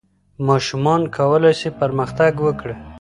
ماشومان کولای سي پرمختګ وکړي.